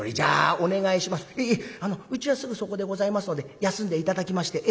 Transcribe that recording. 「うちはすぐそこでございますので休んで頂きまして。